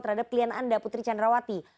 terhadap klien anda putri candrawati